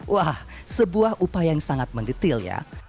wah sebuah upaya yang sangat mendetail ya